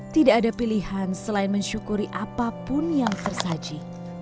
tidak ada pilihan selain mensyukuri apapun yang tersaji